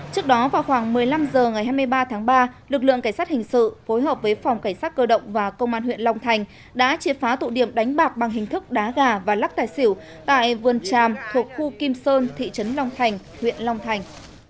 trước đó vào khoảng một mươi năm h ngày hai mươi ba tháng ba lực lượng cảnh sát hình sự phối hợp với phòng cảnh sát cơ động và công an huyện long thành đã triệt phá tụ điểm đánh bạc bằng hình thức đá gà và lắc tài xỉu tại vườn tràm thuộc khu kim sơn thị trấn long thành huyện long thành